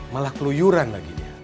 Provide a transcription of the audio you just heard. malah keluyuran baginya